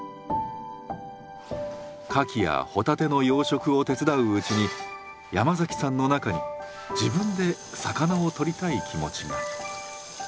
カキやホタテの養殖を手伝ううちに山崎さんの中に自分で魚を取りたい気持ちが。